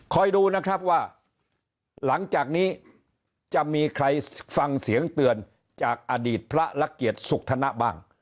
ดูนะครับว่าหลังจากนี้จะมีใครฟังเสียงเตือนจากอดีตพระรักเกียรติสุขธนบ้าง